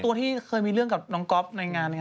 ตัวที่เคยมีเรื่องกับน้องก๊อฟในงาน